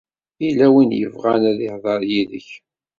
Yella win i yebɣan ad ihḍeṛ yid-k.